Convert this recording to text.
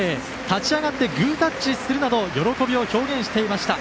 立ち上がってグータッチするなど喜びを表現していました。